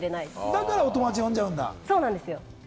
だから、お友達呼んじゃうの？